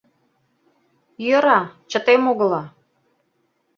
«Йӧра... чытем огыла...